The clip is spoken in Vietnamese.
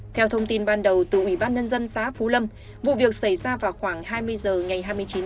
theo thông tin ban đầu từ ủy ban nhân dân xã phú lâm vụ việc xảy ra vào khoảng hai mươi h ngày hai mươi chín tháng tám